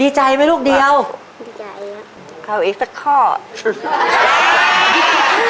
ใจไหมลูกเดียวดีใจเข้าอีกสักข้อ